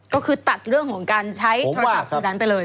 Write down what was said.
ก็คือตัดเรื่องของการใช้โทรศัพท์สื่อนั้นไปเลย